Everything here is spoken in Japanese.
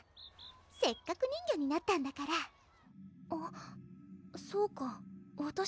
せっかく人魚になったんだからあっそうかわたし